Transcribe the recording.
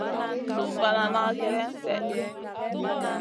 Sùm banana gèlèn slèʼɗi.